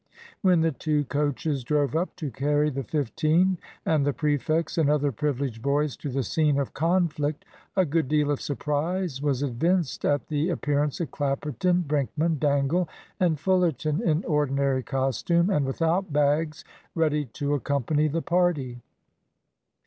When the two coaches drove up to carry the fifteen and the prefects and other privileged boys to the scene of conflict, a good deal of surprise was evinced at the appearance of Clapperton, Brinkman, Dangle, and Fullerton, in ordinary costume, and without bags, ready to accompany the party.